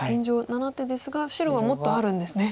７手ですが白はもっとあるんですね。